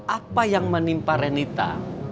apa yang menimpa renita